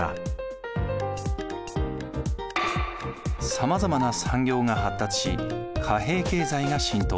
さまざまな産業が発達し貨幣経済が浸透。